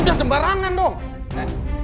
kita harus berjaga jaga